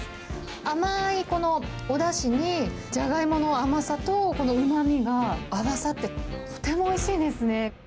甘いこのおだしに、じゃがいもの甘さとこのうまみが合わさって、とてもおいしいですね。